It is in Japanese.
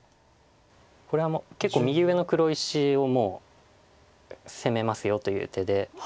これは結構右上の黒石をもう攻めますよという手で。